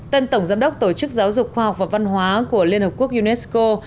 tân tổng giám đốc tổ chức giáo dục khoa học và văn hóa của liên hợp quốc unesco